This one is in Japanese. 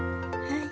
はい。